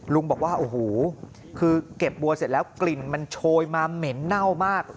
ลุงบอกว่าโอ้โหคือเก็บบัวเสร็จแล้วกลิ่นมันโชยมาเหม็นเน่ามาก